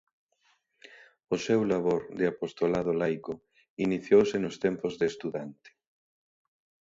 O seu labor de apostolado laico iniciouse nos tempos de estudante.